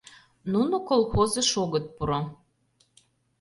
Нуно колхозыш огыт пуро!